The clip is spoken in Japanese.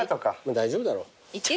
大丈夫だろ。